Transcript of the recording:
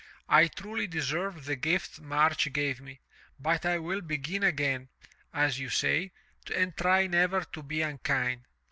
I truly deserve the gift March gave me, but I will begin again, as you say, and try never to be unkind."